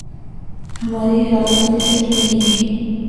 ہمارے حالات ایسے تو نہیں رہے۔